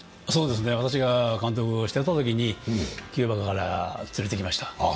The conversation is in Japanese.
私が監督をしてたときにキューバから連れてきました。